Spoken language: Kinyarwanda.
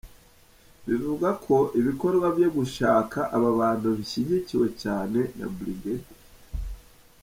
Bivugwa ko ibikorwa byo gushaka aba bantu bishyigikiwe cyane Brig.